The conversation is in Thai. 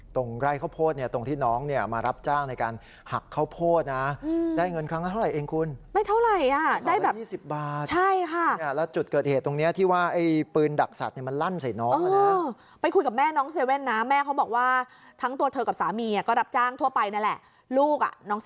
ตรงไร้ข้าวโพดเนี่ยตรงที่น้องเนี่ยมารับจ้างในการหักข้าวโพดนะได้เงินค้าเท่าไหร่เองคุณไม่เท่าไหร่อ่ะได้แบบ๒๐บาทใช่ค่ะแล้วจุดเกิดเหตุตรงเนี้ยที่ว่าไอ้ปืนดักสัตว์มันลั่นใส่น้องไปคุยกับแม่น้องเซเว่นนะแม่เขาบอกว่าทั้งตัวเธอกับสามีก็รับจ้างทั่วไปนั่นแหละลูกอ่ะน